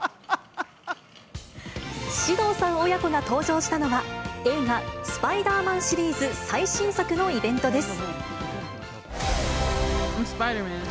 獅童さん親子が登場したのは、映画、スパイダーマンシリーズ最新作のイベントです。